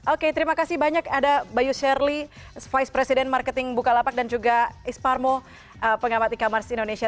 oke terima kasih banyak ada bayu sherly vice president marketing bukalapak dan juga isparmo pengamat e commerce indonesia